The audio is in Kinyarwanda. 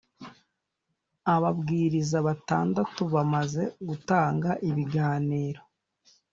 ababwiriza batandatu bamaze gutanga ibiganiro.